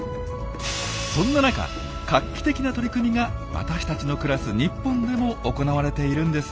そんな中画期的な取り組みが私たちの暮らす日本でも行われているんです。